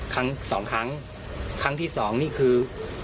ครั้งสองครั้งครั้งที่สองนี่คือ